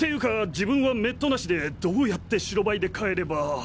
自分はメット無しでどうやって白バイで帰れば？